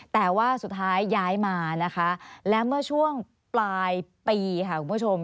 แต่ว่าสุดท้ายย้ายมานะคะแล้วเมื่อช่วงปลายปีค่ะคุณผู้ชม